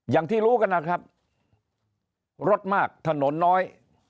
อย่างที่รู้กันนะครับรถมากถนนน้อย